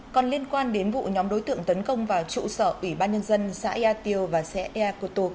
còn liên quan đến vụ nhóm đối tượng tấn công vào trụ sở ủy ban nhân dân xã ea tiêu và xã ea cô tô